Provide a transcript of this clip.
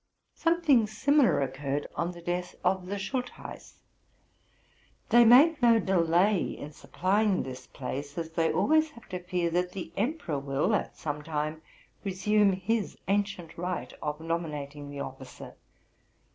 Something similar occurred on the death of the Schultheiss. They make no delay in supplying this place; as they always have to fear that the emperor will, at some time, resume his ancient right of nominating the officer.